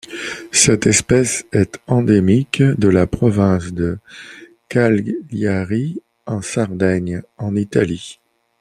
Cette espèce est endémique de la province de Cagliari en Sardaigne en Italie.